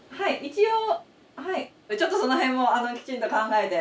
ちょっとその辺もきちんと考えて。